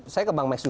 saya ke bang meks